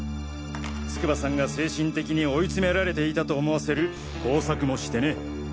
筑波さんが精神的に追い詰められていたと思わせる工作もしてね。